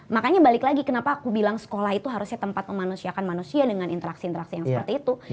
makanya balik lagi kenapa aku bilang sekolah itu harusnya tempat memanusiakan manusia dengan interaksi interaksi yang seperti itu